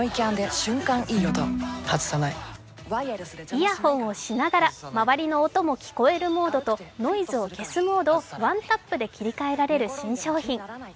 イヤホンをしながら周りの音も聞こえるモードとノイズを消すモードをワンタップで切り替えられる新商品。